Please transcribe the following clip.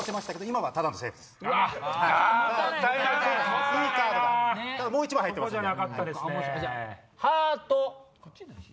ただもう１枚入ってますので。